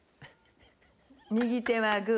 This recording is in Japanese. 右手はグー。